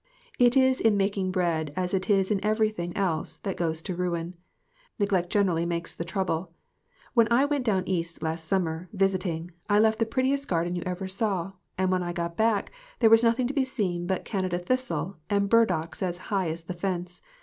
It is in making bread as it is in everything else that goes to ruin ; neglect gener ally makes the trouble. When I went down East last summer, visiting, I left the prettiest garden you ever saw, and when I got back there was nothing to be seen but Canada thistles and burdocks as high as the fence.